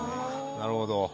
なるほど。